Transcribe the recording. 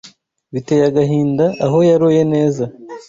Biteye agahinda Aho yaroye neza